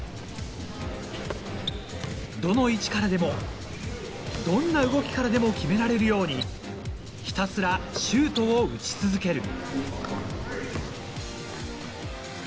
どの位置からでも、どんな動きからでも決められるように、ひたすらシュートを打ち続ける。